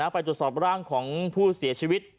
ไปตรวจสอบร่างของผู้เสียชีวิต